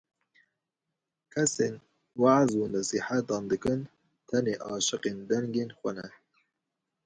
Kesên weaz û nesîhetan dikin, tenê aşiqên dengên xwe ne.